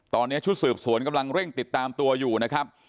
ตอนนี้ชุดสืบสวนกำลังเร่งติดตามตัวอยู่นะครับ